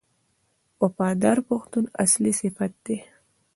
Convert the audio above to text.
وفاداري د پښتون اصلي صفت دی.